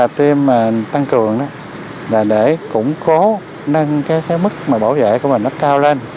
hoặc là tiêm tăng cường để củng cố nâng cái mức bảo vệ của mình nó cao lên